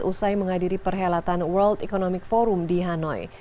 usai menghadiri perhelatan world economic forum di hanoi